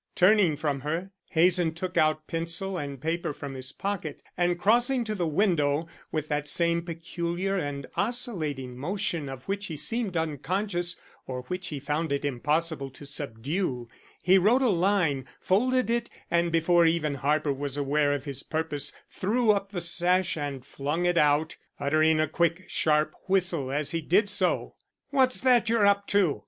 Turning from her, Hazen took out pencil and paper from his pocket, and, crossing to the window with that same peculiar and oscillating motion of which he seemed unconscious, or which he found it impossible to subdue, he wrote a line, folded it, and before even Harper was aware of his purpose threw up the sash and flung it out, uttering a quick, sharp whistle as he did so. "What's that you're up to?"